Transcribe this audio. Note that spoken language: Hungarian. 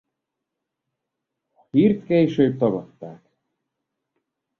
A hírt később tagadták.